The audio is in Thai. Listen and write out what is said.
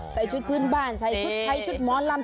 ใส่ชุดพื้นบ้านใส่ชุดมอร์ตลำ